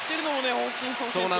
ホーキンソン選手